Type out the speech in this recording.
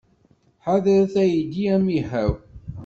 Ḥadret, aydi amihaw!